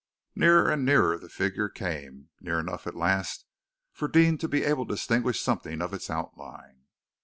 Nearer and nearer the figure came, near enough, at last, for Deane to be able to distinguish something of its outline.